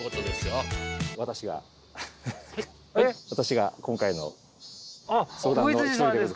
私が今回の相談の一人で。